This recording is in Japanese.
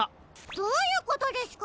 どういうことですか？